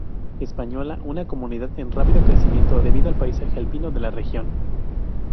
Española es una comunidad en rápido crecimiento debido al paisaje alpino de la región.